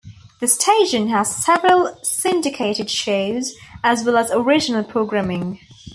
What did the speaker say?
The station has several syndicated shows as well as original programming.